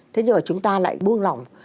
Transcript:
thế nhưng mà chúng ta lại buông lỏng